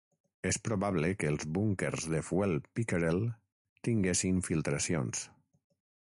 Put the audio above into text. És probable que es els búnquers de fuel "Pickerel" tinguessin filtracions.